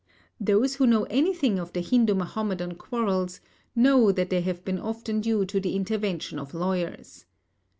Those who know anything of the Hindu Mahomedan quarrels know that they have been often due to the intervention of lawyers.